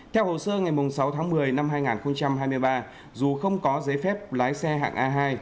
theo hồ sơ ngày sáu tháng một mươi năm hai nghìn hai mươi ba dù không có giấy phép lái xe hạng a hai